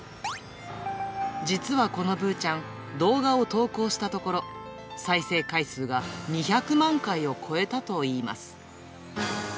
実はこのぶーちゃん、動画を投稿したところ、再生回数が２００万回を超えたといいます。